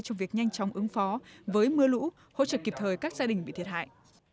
cho việc nhanh chóng ứng phó với mưa lũ hỗ trợ kịp thời các gia đình bị thiệt hại